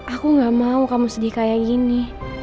aku gak mau kamu sedih kayak gini